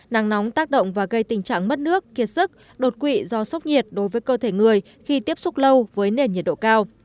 nắng nóng tác động và gây tình trạng mất nước kiệt sức đột quỵ do sốc nhiệt đối với cơ thể người khi tiếp xúc lâu với nền nhiệt độ cao